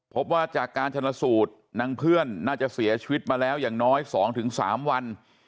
พบว่าจากการชนสูตรนางเพื่อนน่าจะเสียชีวิตมาแล้วอย่างน้อย๒๓วัน